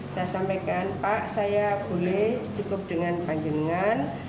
saya sampaikan pak saya boleh cukup dengan panggilan